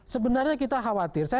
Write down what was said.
sebenarnya kita khawatir